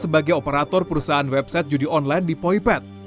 sebagai operator perusahaan website judi online di poipet